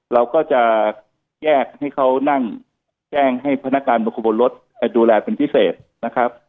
เราก็จะแยกให้เขานั่งแจ้งให้พนักการบุคคลบนรถดูแลเป็นพิเศษนะครับ